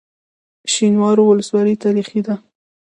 شینوارو ولسوالۍ تاریخي ده؟